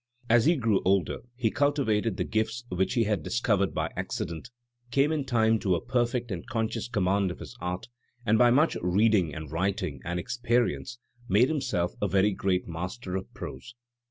As he grew older, he cultivated the gifts which he had discovered by accident, came in time to a Digitized by Google MARK TWAIN 251 perfect and conscious command of his art, and by mucli reading and writing and experience made himself a very great master of prose.